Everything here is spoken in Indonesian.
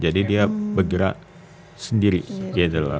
jadi dia bergerak sendiri gitu loh